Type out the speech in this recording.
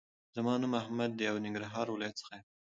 زما نوم احمد دې او ننګرهار ولایت څخه یم